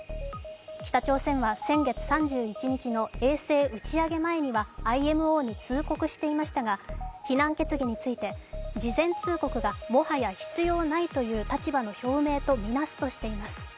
北朝鮮は先月３１日の衛星打ち上げ前にはＩＭＯに通告していましたが、非難決議について、事前通告がもはや必要ないという立場の表明とみなすとしています。